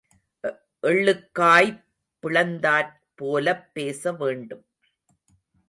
எள்ளுக்காய் பிளந்தாற் போலப் பேச வேண்டும்.